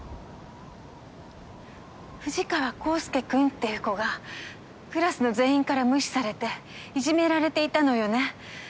藤川孝介君っていう子がクラスの全員から無視されていじめられていたのよね？